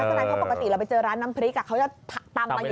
เพราะปกติเราไปเจอร้านน้ำพริกอ่ะเขาจะตัมไปอยู่แล้ว